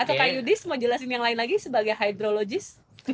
atau kak yudis mau jelasin yang lain lagi sebagai hydrologis